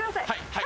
はい。